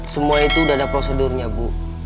semua itu sudah ada prosedurnya bu